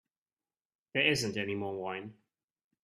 There isn't any more wine.